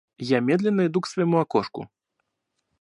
Я медленно иду к своему окошку.